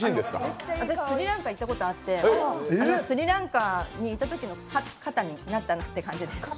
私、スリランカ行ったことあってスリランカに行ったときの肩になったなって感じです。